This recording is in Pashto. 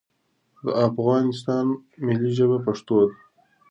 دا افغانستان ملی ژبه پښتو ده